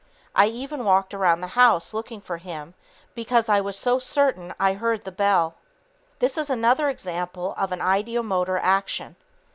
I even walked around the house looking for him because I was so certain I heard the bell. This is another example of an ideomotor action.